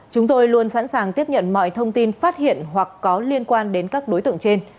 chúng tôi luôn sẵn sàng tiếp nhận mọi thông tin phát hiện hoặc có liên quan đến các đối tượng trên